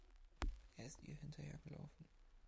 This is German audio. Er ist ihr hinterhergelaufen.